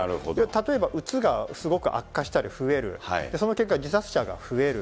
例えばうつがすごく悪化したり、増える、その結果、自殺者が増える。